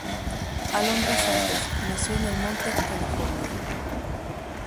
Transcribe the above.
Alondra Santos, nació en El Monte, California.